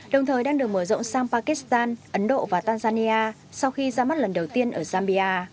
đồng thời đang được mở rộng sang pakistan ấn độ và tanzania sau khi ra mắt lần đầu tiên ở zambia